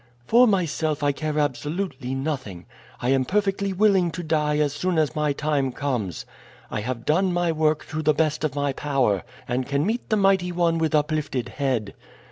"For myself I care absolutely nothing. I am perfectly willing to die as soon as my time comes. I have done my work to the best of my power, and can meet the Mighty One with uplifted head.